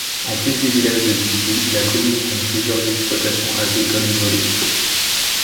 En plus du village de Bussy, la commune compte plusieurs exploitations agricoles isolées.